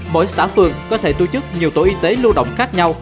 mỗi xã phường có thể tổ chức nhiều tổ y tế lưu động khác nhau